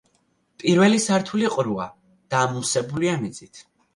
პირველი სართული ყრუა და ამოვსებულია მიწით.